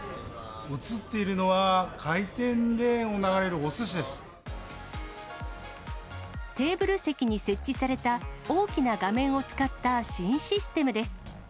映っているのは、テーブル席に設置された大きな画面を使った新システムです。